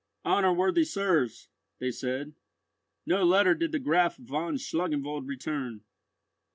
"Honour worthy sirs," they said, "no letter did the Graf von Schlangenwald return."